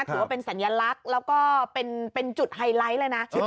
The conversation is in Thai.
ถือว่าเป็นสัญลักษณ์แล้วก็เป็นจุดไฮไลท์เลยนะ